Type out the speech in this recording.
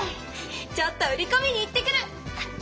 ちょっと売りこみに行ってくる！